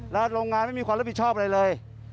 แล้วโรงงานไม่มีความรับผิดชอบอะไรเลย